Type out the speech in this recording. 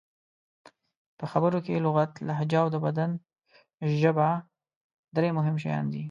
په خبرو کې لغت، لهجه او د بدن ژبه درې مهم شیان دي.